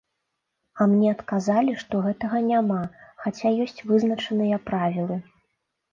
А мне адказалі, што гэтага няма, хаця ёсць вызначаныя правілы.